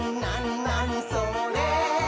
なにそれ？」